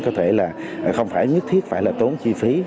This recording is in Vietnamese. có thể là không phải nhất thiết phải là tốn chi phí